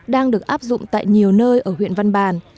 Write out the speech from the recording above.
đang được áp dụng tại nhiều nơi ở huyện văn bàn